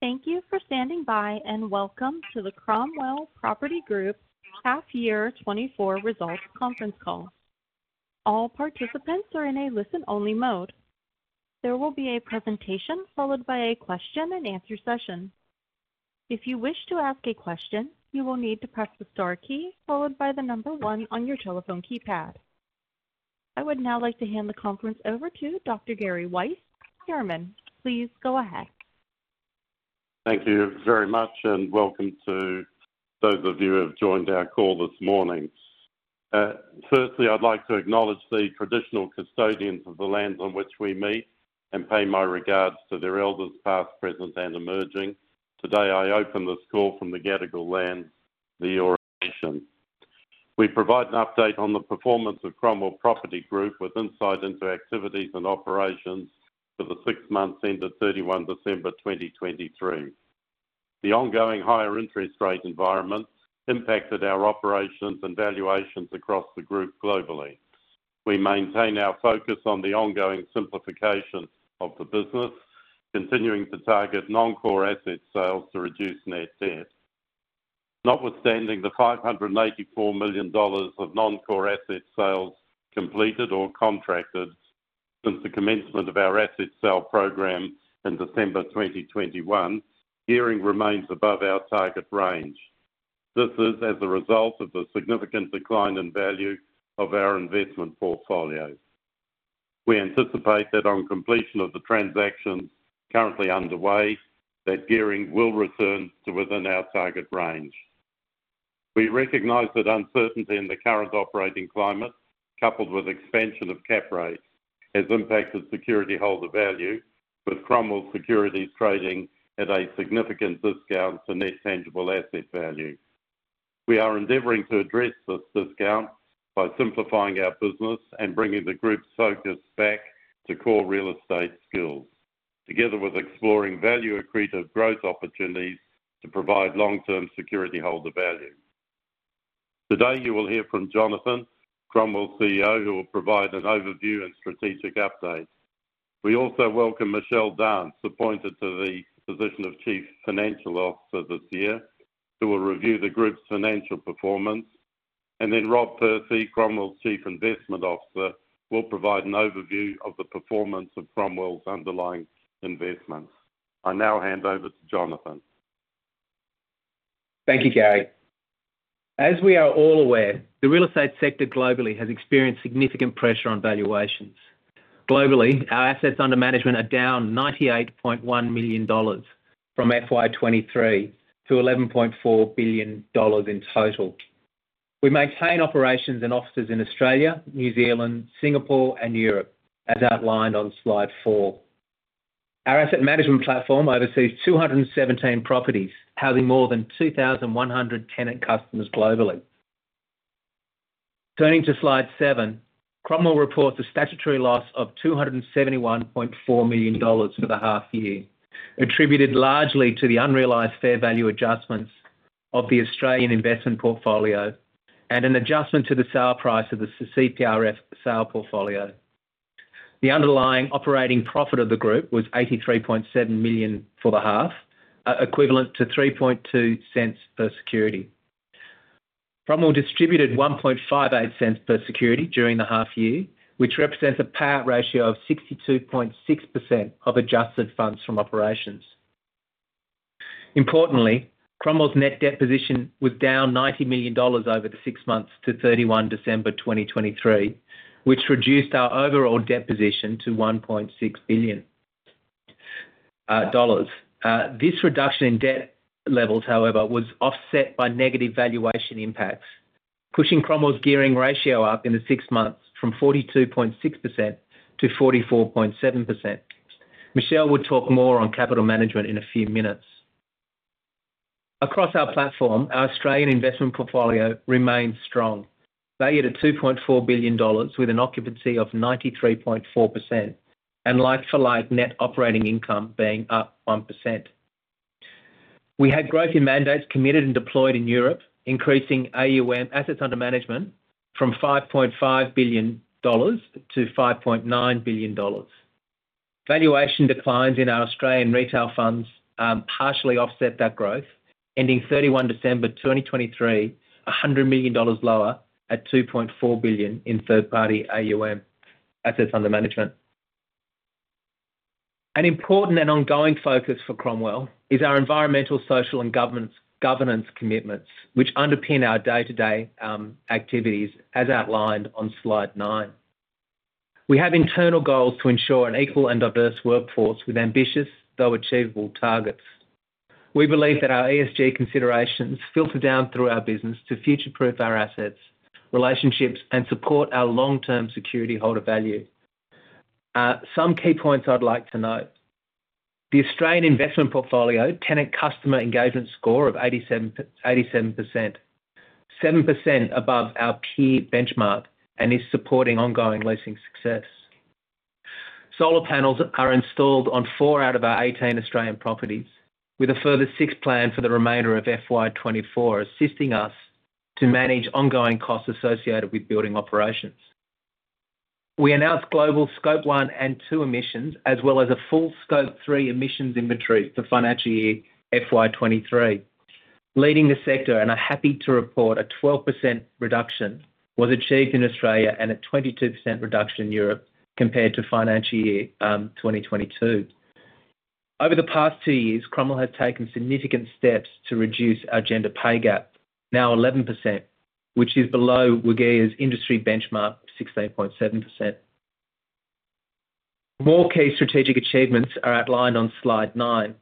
Thank you for standing by and welcome to the Cromwell Property Group Half Year 2024 Results Conference Call. All participants are in a listen-only mode. There will be a presentation followed by a question-and-answer session. If you wish to ask a question, you will need to press the star key followed by the number 1 on your telephone keypad. I would now like to hand the conference over to Dr. Gary Weiss, Chairman. Please go ahead. Thank you very much, and welcome to those of you who have joined our call this morning. Firstly, I'd like to acknowledge the traditional custodians of the lands on which we meet and pay my regards to their elders, past, present, and emerging. Today I open this call from the Gadigal lands, the Eora Nation. We provide an update on the performance of Cromwell Property Group with insight into activities and operations for the six months ended 31 December 2023. The ongoing higher interest rate environment impacted our operations and valuations across the group globally. We maintain our focus on the ongoing simplification of the business, continuing to target non-core asset sales to reduce net debt. Notwithstanding the 584 million dollars of non-core asset sales completed or contracted since the commencement of our asset sale program in December 2021, gearing remains above our target range. This is as a result of the significant decline in value of our investment portfolio. We anticipate that on completion of the transactions currently underway, that gearing will return to within our target range. We recognize that uncertainty in the current operating climate, coupled with expansion of cap rates, has impacted security holder value, with Cromwell securities trading at a significant discount to net tangible asset value. We are endeavoring to address this discount by simplifying our business and bringing the group's focus back to core real estate skills, together with exploring value accretive growth opportunities to provide long-term security holder value. Today you will hear from Jonathan, Cromwell CEO, who will provide an overview and strategic update. We also welcome Michelle Dance, appointed to the position of Chief Financial Officer this year, who will review the group's financial performance. Then Rob Percy, Cromwell's Chief Investment Officer, will provide an overview of the performance of Cromwell's underlying investments. I now hand over to Jonathan. Thank you, Gary. As we are all aware, the real estate sector globally has experienced significant pressure on valuations. Globally, our assets under management are down 98.1 million dollars from FY 2023 to 11.4 billion dollars in total. We maintain operations and offices in Australia, New Zealand, Singapore, and Europe, as outlined on slide four. Our asset management platform oversees 217 properties, housing more than 2,100 tenant customers globally. Turning to slide seven, Cromwell reports a statutory loss of 271.4 million dollars for the half year, attributed largely to the unrealized fair value adjustments of the Australian investment portfolio and an adjustment to the sale price of the CPRF sale portfolio. The underlying operating profit of the group was 83.7 million for the half, equivalent to 0.032 per security. Cromwell distributed 0.0158 per security during the half year, which represents a payout ratio of 62.6% of adjusted funds from operations. Importantly, Cromwell's net debt position was down 90 million dollars over the six months to 31 December 2023, which reduced our overall debt position to 1.6 billion dollars. This reduction in debt levels, however, was offset by negative valuation impacts, pushing Cromwell's gearing ratio up in the six months from 42.6% to 44.7%. Michelle will talk more on capital management in a few minutes. Across our platform, our Australian investment portfolio remains strong, valued at 2.4 billion dollars with an occupancy of 93.4% and like-for-like net operating income being up 1%. We had growth in mandates committed and deployed in Europe, increasing AUM assets under management from 5.5 billion dollars to 5.9 billion dollars. Valuation declines in our Australian retail funds partially offset that growth, ending 31 December 2023 100 million dollars lower at 2.4 billion in third-party AUM assets under management. An important and ongoing focus for Cromwell is our environmental, social, and governance commitments, which underpin our day-to-day activities, as outlined on slide nine. We have internal goals to ensure an equal and diverse workforce with ambitious, though achievable, targets. We believe that our ESG considerations filter down through our business to future-proof our assets, relationships, and support our long-term security holder value. Some key points I'd like to note: the Australian investment portfolio tenant customer engagement score of 87%, 7% above our key benchmark, and is supporting ongoing leasing success. Solar panels are installed on 4 out of our 18 Australian properties, with a further 6 planned for the remainder of FY 2024, assisting us to manage ongoing costs associated with building operations. We announced global Scope 1 and 2 emissions, as well as a full Scope 3 emissions inventory for financial year FY 2023. Leading the sector, and I'm happy to report, a 12% reduction was achieved in Australia and a 22% reduction in Europe compared to financial year 2022. Over the past two years, Cromwell has taken significant steps to reduce our gender pay gap, now 11%, which is below WGEA's industry benchmark, 16.7%. More key strategic achievements are outlined on slide nine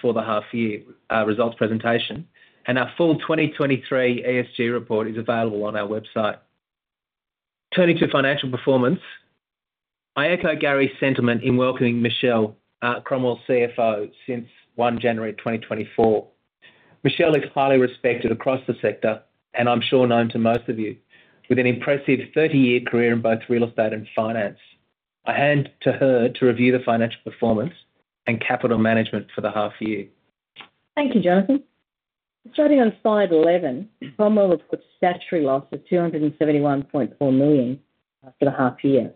for the half year results presentation, and our full 2023 ESG report is available on our website. Turning to financial performance, I echo Gary's sentiment in welcoming Michelle, Cromwell CFO, since 1 January 2024. Michelle is highly respected across the sector, and I'm sure known to most of you, with an impressive 30-year career in both real estate and finance. I hand to her to review the financial performance and capital management for the half year. Thank you, Jonathan. Starting on slide 11, Cromwell reports a statutory loss of 271.4 million for the half year.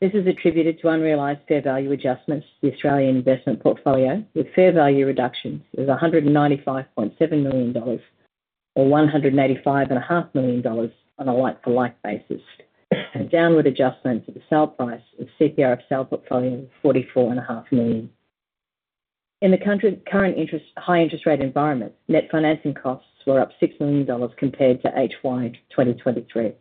This is attributed to unrealized fair value adjustments to the Australian investment portfolio, with fair value reductions of 195.7 million dollars or 185.5 million dollars on a like-for-like basis, and downward adjustments of the sale price of CPRF sale portfolio of 44.5 million. In the current high-interest rate environment, net financing costs were up 6 million dollars compared to HY 2023.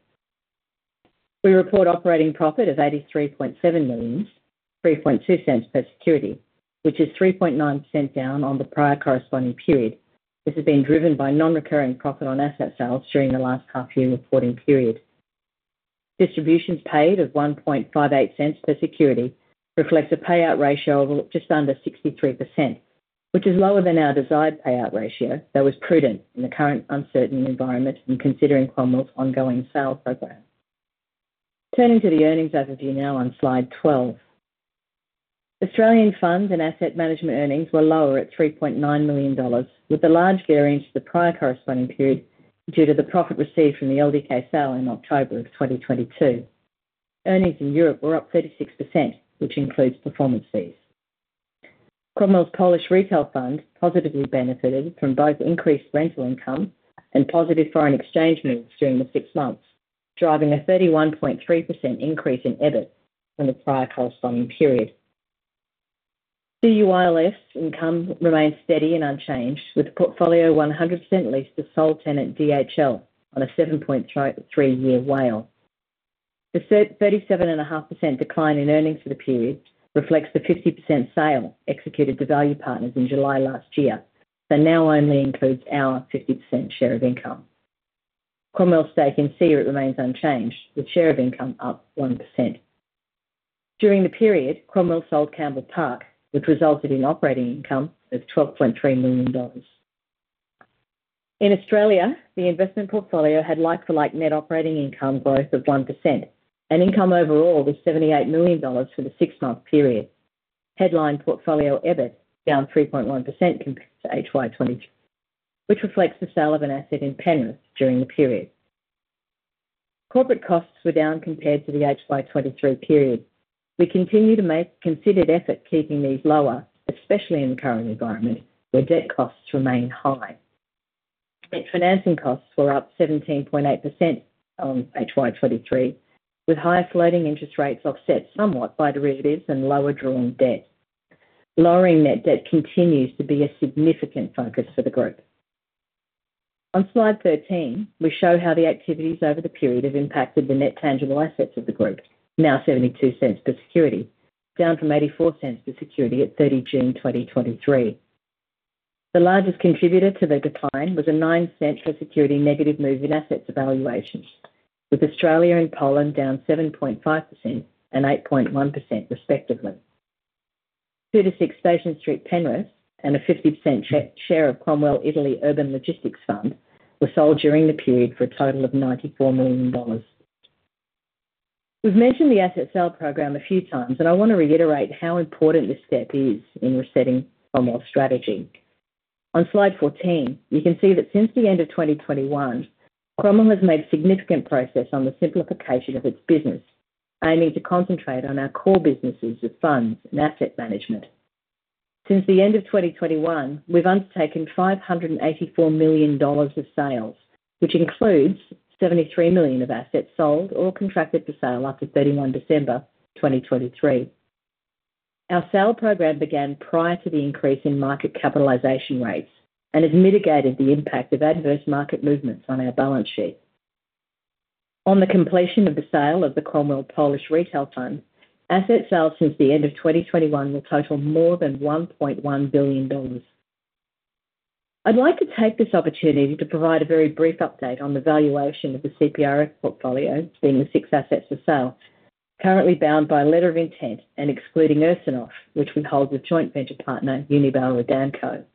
We report operating profit of 83.7 million (0.032 per security), which is 3.9% down on the prior corresponding period. This has been driven by non-recurring profit on asset sales during the last half year reporting period. Distributions paid of 1.58 per security reflects a payout ratio of just under 63%, which is lower than our desired payout ratio that was prudent in the current uncertain environment and considering Cromwell's ongoing sale program. Turning to the earnings overview now on slide 12, Australian funds and asset management earnings were lower at 3.9 million dollars, with a large variance to the prior corresponding period due to the profit received from the LDK sale in October 2022. Earnings in Europe were up 36%, which includes performance fees. Cromwell's Polish Retail Fund positively benefited from both increased rental income and positive foreign exchange moves during the six months, driving a 31.3% increase in EBIT from the prior corresponding period. CIULF income remained steady and unchanged, with the portfolio 100% leased to sole tenant DHL on a 7.3-year WALE. The 37.5% decline in earnings for the period reflects the 50% sale executed to Value Partners in July last year, that now only includes our 50% share of income. Cromwell's stake in CEREIT remains unchanged, with share of income up 1%. During the period, Cromwell sold Campbell Park, which resulted in operating income of 12.3 million dollars. In Australia, the investment portfolio had like-for-like net operating income growth of 1%, and income overall was 78 million dollars for the six-month period. Headline portfolio EBIT down 3.1% compared to HY 2023, which reflects the sale of an asset in Penrith during the period. Corporate costs were down compared to the HY 2023 period. We continue to make considered effort keeping these lower, especially in the current environment where debt costs remain high. Net financing costs were up 17.8% on HY 2023, with higher floating interest rates offset somewhat by derivatives and lower drawn debt. Lowering net debt continues to be a significant focus for the group. On slide 13, we show how the activities over the period have impacted the net tangible assets of the group, now 0.72 per security, down from 0.84 per security at 30 June 2023. The largest contributor to the decline was a 0.09 per security negative move in asset valuations, with Australia and Poland down 7.5% and 8.1% respectively. 2-6 Station Street, Penrith and a 50% share of Cromwell Italy Urban Logistics Fund were sold during the period for a total of 94 million dollars. We've mentioned the asset sale program a few times, and I want to reiterate how important this step is in resetting Cromwell's strategy. On slide 14, you can see that since the end of 2021, Cromwell has made significant progress on the simplification of its business, aiming to concentrate on our core businesses of funds and asset management. Since the end of 2021, we've undertaken 584 million dollars of sales, which includes 73 million of assets sold or contracted for sale after 31 December 2023. Our sale program began prior to the increase in market capitalization rates and has mitigated the impact of adverse market movements on our balance sheet. On the completion of the sale of the Cromwell Polish Retail Fund, asset sales since the end of 2021 will total more than 1.1 billion dollars. I'd like to take this opportunity to provide a very brief update on the valuation of the CPRF portfolio, being the six assets for sale, currently bound by letter of intent and excluding Ursynów, which we hold with joint venture partner Unibail-Rodamco.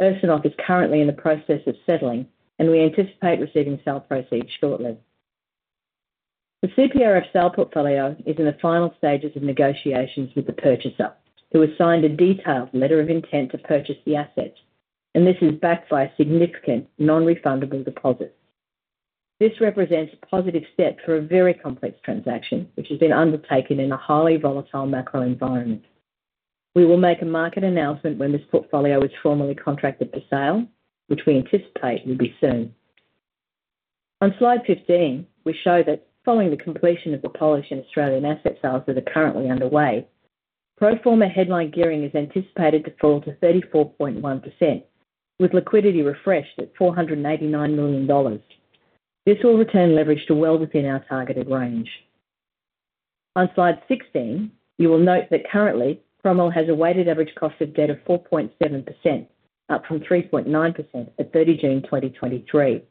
Ursynów is currently in the process of settling, and we anticipate receiving sale proceeds shortly. The CPRF sale portfolio is in the final stages of negotiations with the purchaser, who has signed a detailed letter of intent to purchase the assets, and this is backed by significant non-refundable deposits. This represents a positive step for a very complex transaction, which has been undertaken in a highly volatile macro environment. We will make a market announcement when this portfolio is formally contracted for sale, which we anticipate will be soon. On slide 15, we show that following the completion of the Polish and Australian asset sales that are currently underway, pro forma headline gearing is anticipated to fall to 34.1%, with liquidity refreshed at 489 million dollars. This will return leverage to well within our targeted range. On slide 16, you will note that currently, Cromwell has a weighted average cost of debt of 4.7%, up from 3.9% at 30 June 2023.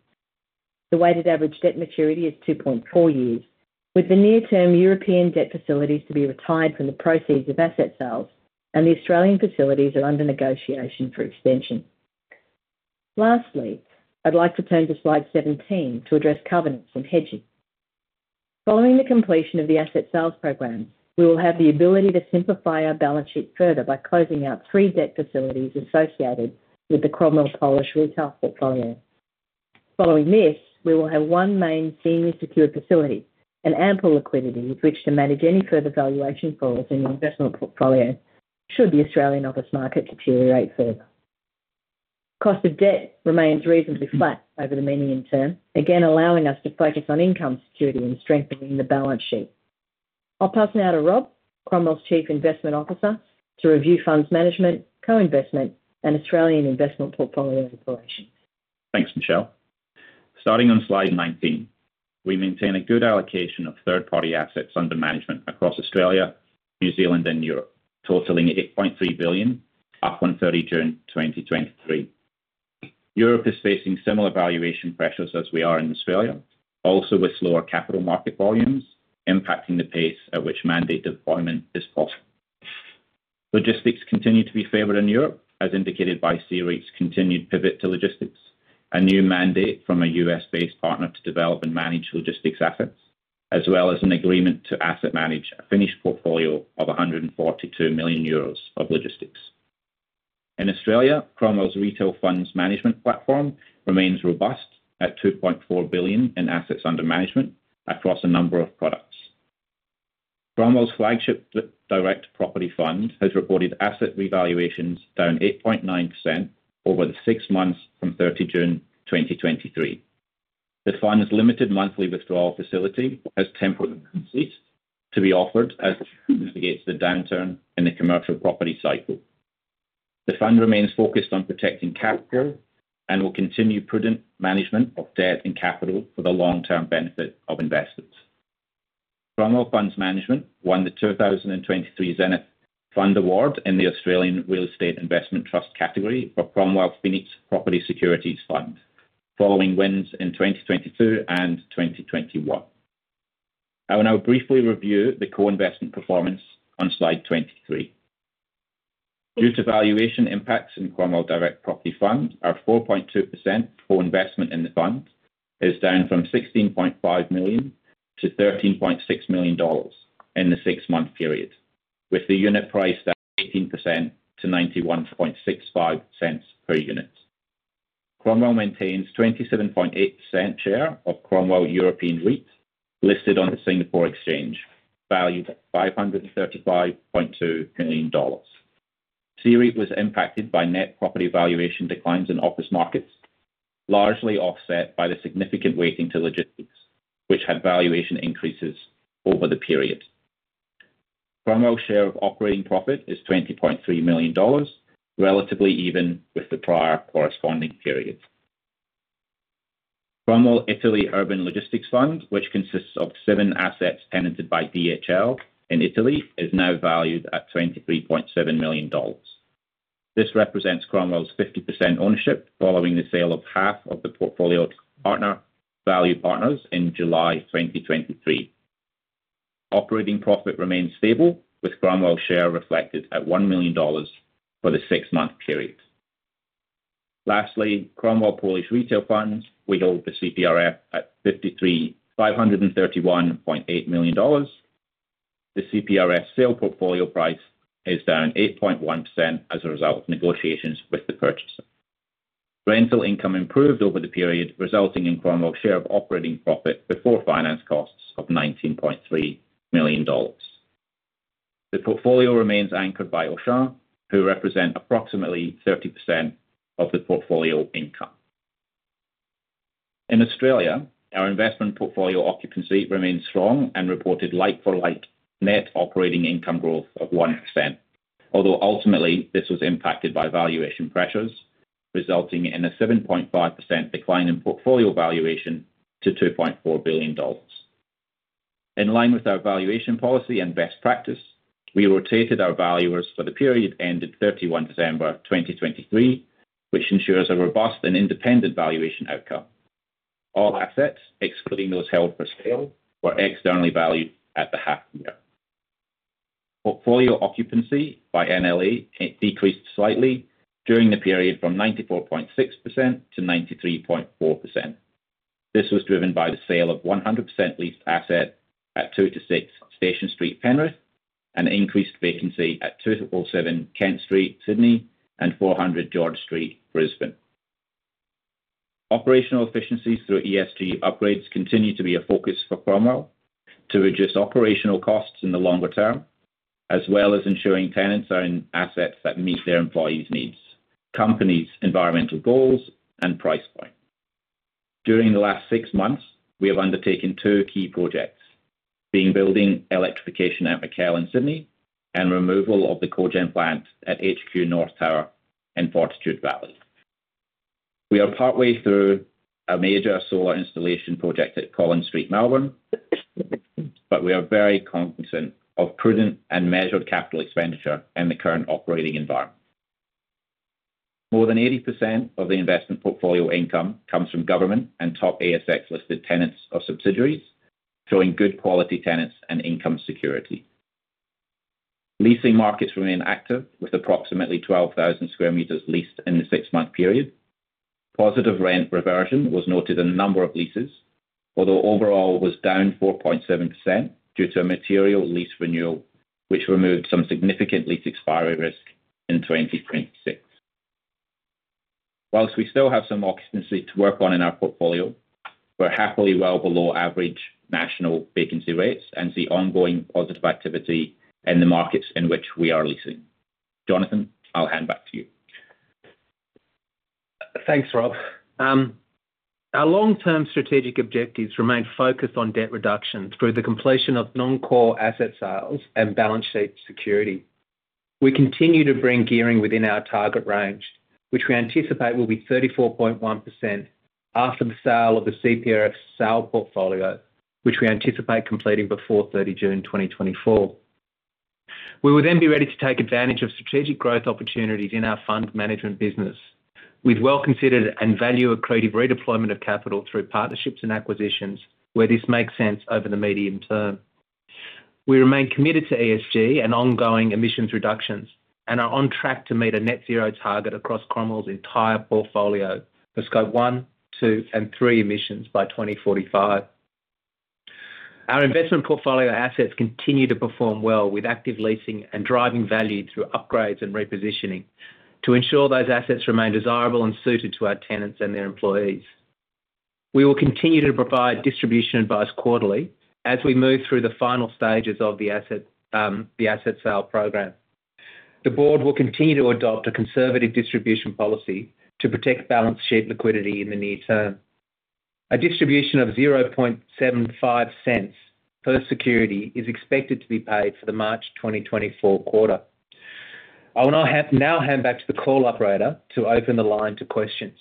The weighted average debt maturity is 2.4 years, with the near-term European debt facilities to be retired from the proceeds of asset sales, and the Australian facilities are under negotiation for extension. Lastly, I'd like to turn to slide 17 to address covenants and hedging. Following the completion of the asset sales program, we will have the ability to simplify our balance sheet further by closing out three debt facilities associated with the Cromwell Polish retail portfolio. Following this, we will have one main senior secure facility and ample liquidity with which to manage any further valuation falls in the investment portfolio should the Australian office market deteriorate further. Cost of debt remains reasonably flat over the many-year term, again allowing us to focus on income security and strengthening the balance sheet. I'll pass now to Rob, Cromwell's Chief Investment Officer, to review funds management, co-investment, and Australian investment portfolio operations. Thanks, Michelle. Starting on slide 19, we maintain a good allocation of third-party assets under management across Australia, New Zealand, and Europe, totaling 8.3 billion, up on 30 June 2023. Europe is facing similar valuation pressures as we are in Australia, also with slower capital market volumes impacting the pace at which mandate deployment is possible. Logistics continue to be favored in Europe, as indicated by CEREIT's continued pivot to logistics, a new mandate from a US-based partner to develop and manage logistics assets, as well as an agreement to asset manage a finished portfolio of 142 million euros of logistics. In Australia, Cromwell's retail funds management platform remains robust at 2.4 billion in assets under management across a number of products. Cromwell's flagship direct property fund has reported asset revaluations down 8.9% over the six months from 30 June 2023. The fund's limited monthly withdrawal facility has temporarily ceased to be offered as it mitigates the downturn in the commercial property cycle. The fund remains focused on protecting capital and will continue prudent management of debt and capital for the long-term benefit of investors. Cromwell Funds Management won the 2023 Zenith Fund Award in the Australian Real Estate Investment Trust category for Cromwell Phoenix Property Securities Fund, following wins in 2022 and 2021. I will now briefly review the co-investment performance on slide 23. Due to valuation impacts in Cromwell Direct Property Fund, our 4.2% co-investment in the fund is down from 16.5 million to 13.6 million dollars in the six-month period, with the unit price down 18% to 0.9165 per unit. Cromwell maintains a 27.8% share of Cromwell European REIT listed on the Singapore Exchange, valued at 535.2 million dollars. CEREIT was impacted by net property valuation declines in office markets, largely offset by the significant weighting to logistics, which had valuation increases over the period. Cromwell's share of operating profit is 20.3 million dollars, relatively even with the prior corresponding period. Cromwell Italy Urban Logistics Fund, which consists of seven assets tenanted by DHL in Italy, is now valued at 23.7 million dollars. This represents Cromwell's 50% ownership following the sale of half of the portfolio to Value Partners in July 2023. Operating profit remains stable, with Cromwell's share reflected at 1 million dollars for the six-month period. Lastly, Cromwell Polish Retail Fund, we hold the CPRF at 531.8 million dollars. The CPRF sale portfolio price is down 8.1% as a result of negotiations with the purchaser. Rental income improved over the period, resulting in Cromwell's share of operating profit before finance costs of 19.3 million dollars. The portfolio remains anchored by Auchan, who represent approximately 30% of the portfolio income. In Australia, our investment portfolio occupancy remains strong and reported like-for-like net operating income growth of 1%, although ultimately this was impacted by valuation pressures, resulting in a 7.5% decline in portfolio valuation to 2.4 billion dollars. In line with our valuation policy and best practice, we rotated our valuers for the period ended 31 December 2023, which ensures a robust and independent valuation outcome. All assets, excluding those held for sale, were externally valued at the half year. Portfolio occupancy by NLA decreased slightly during the period from 94.6% to 93.4%. This was driven by the sale of 100% leased asset at 2-6 Station Street Penrith and increased vacancy at 207 Kent Street, Sydney, and 400 George Street, Brisbane. Operational efficiencies through ESG upgrades continue to be a focus for Cromwell to reduce operational costs in the longer term, as well as ensuring tenants own assets that meet their employees' needs, companies' environmental goals, and price point. During the last six months, we have undertaken two key projects, being building electrification at McKell in Sydney and removal of the cogen plant at HQ North Tower in Fortitude Valley. We are partway through a major solar installation project at Collins Street, Melbourne, but we are very cognizant of prudent and measured capital expenditure in the current operating environment. More than 80% of the investment portfolio income comes from government and top ASX-listed tenants or subsidiaries, showing good quality tenants and income security. Leasing markets remain active, with approximately 12,000 square meters leased in the six-month period. Positive rent reversion was noted in a number of leases, although overall was down 4.7% due to a material lease renewal, which removed some significant lease expiry risk in 2026. While we still have some occupancy to work on in our portfolio, we're happily well below average national vacancy rates and see ongoing positive activity in the markets in which we are leasing. Jonathan, I'll hand back to you. Thanks, Rob. Our long-term strategic objectives remain focused on debt reduction through the completion of non-core asset sales and balance sheet security. We continue to bring gearing within our target range, which we anticipate will be 34.1% after the sale of the CPRF sale portfolio, which we anticipate completing before 30 June 2024. We will then be ready to take advantage of strategic growth opportunities in our fund management business, with well-considered and value-accretive redeployment of capital through partnerships and acquisitions where this makes sense over the medium term. We remain committed to ESG and ongoing emissions reductions and are on track to meet a net-zero target across Cromwell's entire portfolio for Scope 1, 2, and 3 emissions by 2045. Our investment portfolio assets continue to perform well with active leasing and driving value through upgrades and repositioning to ensure those assets remain desirable and suited to our tenants and their employees. We will continue to provide distribution advice quarterly as we move through the final stages of the asset sale program. The board will continue to adopt a conservative distribution policy to protect balance sheet liquidity in the near term. A distribution of 0.0075 per security is expected to be paid for the March 2024 quarter. I will now hand back to the call operator to open the line to questions.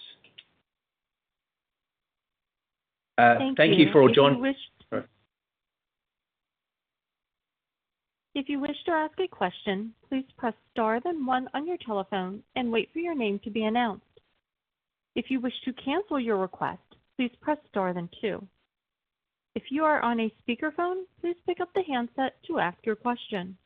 Thank you. Thank you for all joining. If you wish to ask a question, please press star then one on your telephone and wait for your name to be announced. If you wish to cancel your request, please press star then two. If you are on a speakerphone, please pick up the handset to ask your question.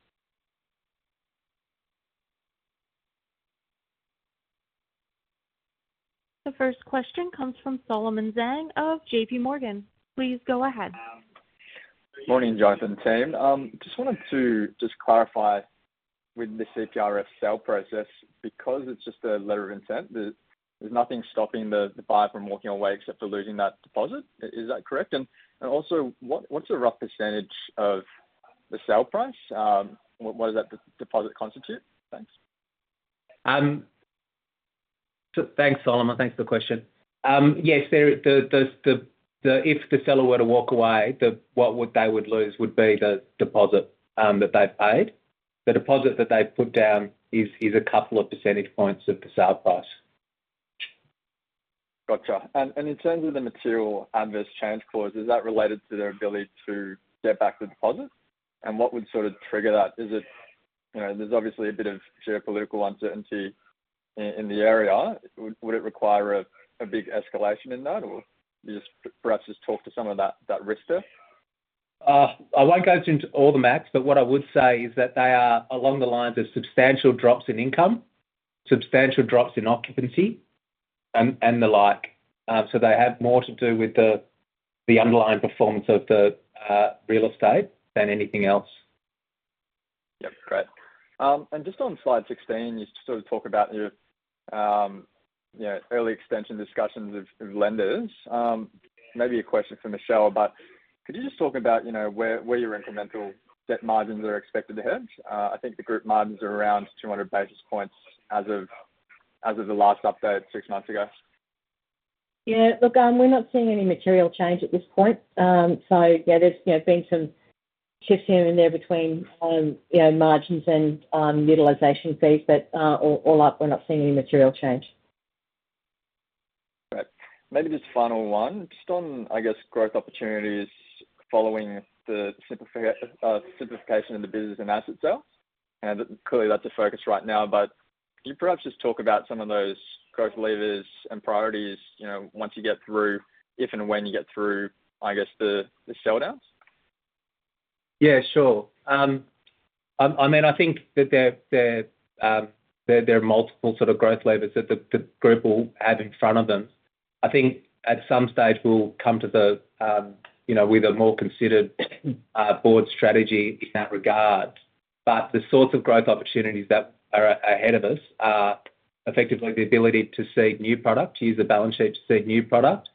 The first question comes from Solomon Zhang of J.P. Morgan. Please go ahead. Morning, Jonathan Callaghan. Just wanted to just clarify with the CPRF sale process. Because it's just a letter of intent, there's nothing stopping the buyer from walking away except for losing that deposit. Is that correct? And also, what's a rough percentage of the sale price? What does that deposit constitute? Thanks. Thanks, Solomon. Thanks for the question. Yes, if the seller were to walk away, what they would lose would be the deposit that they've paid. The deposit that they've put down is a couple of percentage points of the sale price. Gotcha. In terms of the material adverse change clause, is that related to their ability to get back the deposit? What would sort of trigger that? There's obviously a bit of geopolitical uncertainty in the area. Would it require a big escalation in that, or perhaps just talk to some of that risk there? I won't go into all the math, but what I would say is that they are along the lines of substantial drops in income, substantial drops in occupancy, and the like. They have more to do with the underlying performance of the real estate than anything else. Yep. Great. Just on slide 16, you sort of talk about early extension discussions of lenders. Maybe a question for Michelle, but could you just talk about where your incremental debt margins are expected to head? I think the group margins are around 200 basis points as of the last update six months ago. Yeah. Look, we're not seeing any material change at this point. So yeah, there's been some shifts here and there between margins and utilisation fees, but all up, we're not seeing any material change. Great. Maybe just final one, just on, I guess, growth opportunities following the simplification in the business and asset sales. Clearly, that's a focus right now, but could you perhaps just talk about some of those growth levers and priorities once you get through, if and when you get through, I guess, the sell-downs? Yeah, sure. I mean, I think that there are multiple sort of growth levers that the group will have in front of them. I think at some stage, we'll come to the with a more considered board strategy in that regard. But the sorts of growth opportunities that are ahead of us are effectively the ability to seed new product, use the balance sheet to seed new product,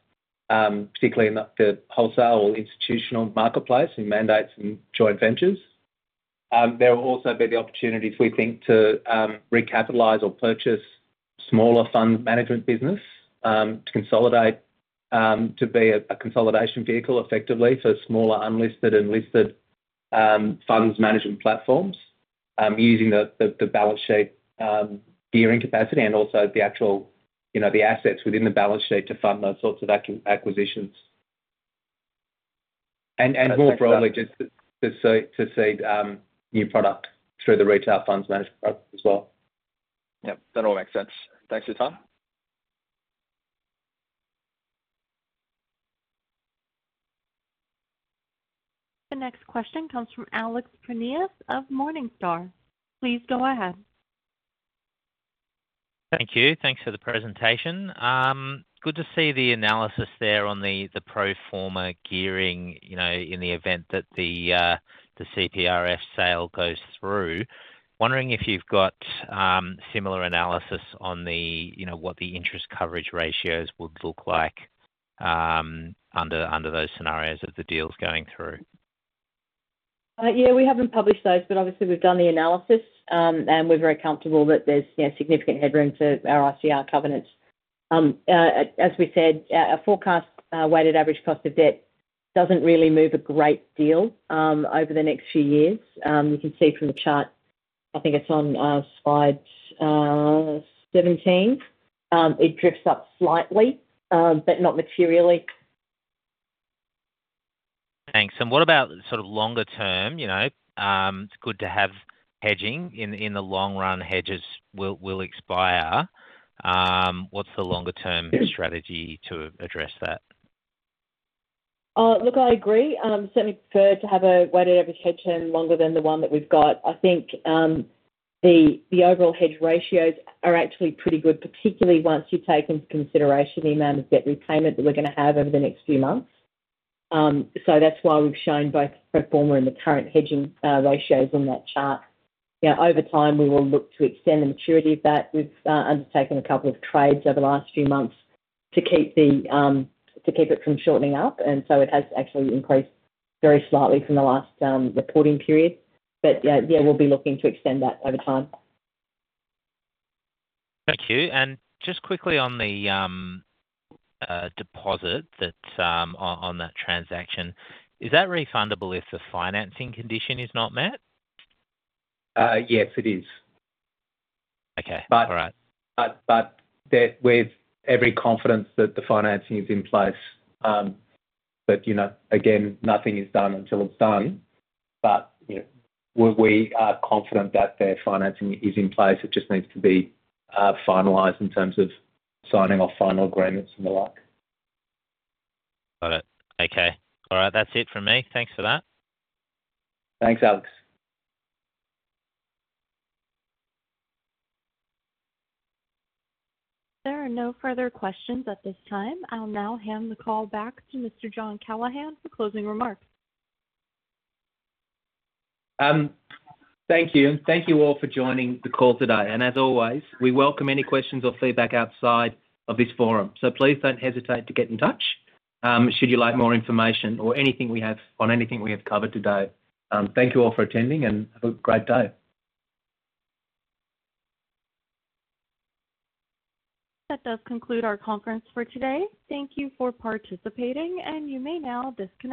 particularly in the wholesale or institutional marketplace in mandates and joint ventures. There will also be the opportunities, we think, to recapitalise or purchase smaller fund management business to consolidate, to be a consolidation vehicle effectively for smaller unlisted and listed funds management platforms using the balance sheet gearing capacity and also the actual assets within the balance sheet to fund those sorts of acquisitions. And more broadly, just to seed new product through the retail funds management product as well. Yep. That all makes sense. Thanks for your time. The next question comes from Alex Prineas of Morningstar. Please go ahead. Thank you. Thanks for the presentation. Good to see the analysis there on the pro forma gearing in the event that the CPRF sale goes through. Wondering if you've got similar analysis on what the interest coverage ratios would look like under those scenarios if the deal's going through? Yeah, we haven't published those, but obviously, we've done the analysis, and we're very comfortable that there's significant headroom for our ICR covenants. As we said, our forecast weighted average cost of debt doesn't really move a great deal over the next few years. You can see from the chart, I think it's on slide 17, it drifts up slightly but not materially. Thanks. And what about sort of longer term? It's good to have hedging. In the long run, hedges will expire. What's the longer-term strategy to address that? Look, I agree. Certainly, prefer to have a weighted average hedge term longer than the one that we've got. I think the overall hedge ratios are actually pretty good, particularly once you take into consideration the amount of debt repayment that we're going to have over the next few months. So that's why we've shown both pro forma and the current hedging ratios on that chart. Over time, we will look to extend the maturity of that. We've undertaken a couple of trades over the last few months to keep it from shortening up. And so it has actually increased very slightly from the last reporting period. But yeah, we'll be looking to extend that over time. Thank you. Just quickly on the deposit on that transaction, is that refundable if the financing condition is not met? Yes, it is. Okay. All right. With every confidence that the financing is in place. But again, nothing is done until it's done. But we are confident that their financing is in place. It just needs to be finalized in terms of signing off final agreements and the like. Got it. Okay. All right. That's it from me. Thanks for that. Thanks, Alex. There are no further questions at this time. I'll now hand the call back to Mr. Jonathan Callaghan for closing remarks. Thank you. And thank you all for joining the call today. And as always, we welcome any questions or feedback outside of this forum. So please don't hesitate to get in touch should you like more information or anything we have on anything we have covered today. Thank you all for attending, and have a great day. That does conclude our conference for today. Thank you for participating, and you may now disconnect.